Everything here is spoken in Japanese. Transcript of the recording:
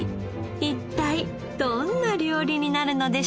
一体どんな料理になるのでしょう。